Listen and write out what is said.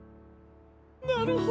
なるほど。